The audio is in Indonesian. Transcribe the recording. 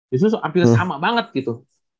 justru hampir sama banget gitu